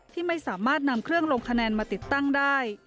ที่ไม่สามารถนำเครื่องลงคะแนนมาติดตั้งได้